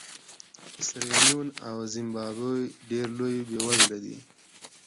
سیریلیون او زیمبابوې ډېر بېوزله دي.